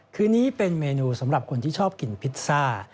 คือนี้เป็นเมนูสำหรับคนที่ชอบกินพิซซ่า